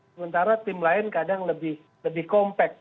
sementara tim lain kadang lebih compact